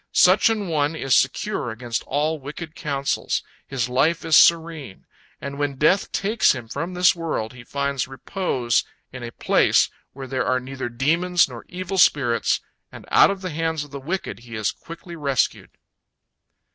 Such an one is secure against all wicked counsels, his life is serene, and when death takes him from this world, he finds repose in a place where there are neither demons nor evil spirits, and out of the hands of the wicked he is quickly rescued.